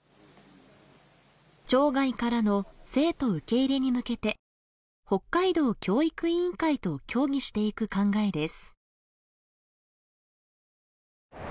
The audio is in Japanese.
町外からの生徒受け入れに向けて北海道教育委員会と協議していく考えです。